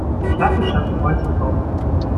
Schaffe schaffe Häusle baue.